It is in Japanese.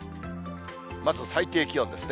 まず最低気温ですね。